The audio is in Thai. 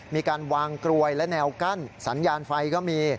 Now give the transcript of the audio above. มีการวางกลวยและแนวกั้นสัญญาณไฟก็มี